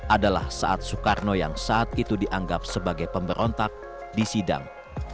adalah saat soekarno yang saat itu dianggap sebagai pemberontak disidang